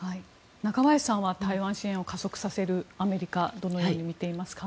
中林さんは台湾支援を加速させるアメリカどのように見ていますか？